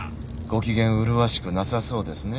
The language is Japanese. ご機嫌麗しくなさそうですね。